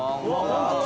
ホントだ！